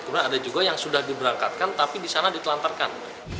kemudian ada juga yang sudah diberangkatkan tapi di sana ditelantarkan